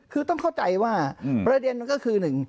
คือต้องเข้าใจว่าประเด็นก็คือ